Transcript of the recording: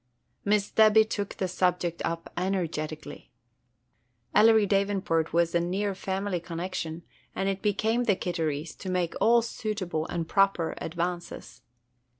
Miss Debby took the subject up energetically. Ellery Davenport was a near family connection, and it became the Kitterys to make all suitable and proper advances.